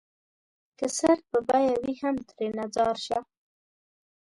که سر په بيه وي هم ترېنه ځار شــــــــــــــــــه